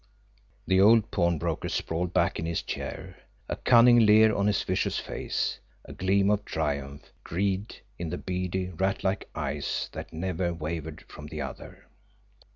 The old pawnbroker sprawled back in his chair, a cunning leer on his vicious face, a gleam of triumph, greed, in the beady, ratlike eyes that never wavered from the other.